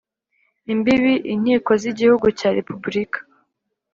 imbibi inkiko z Igihugu cya Repubulika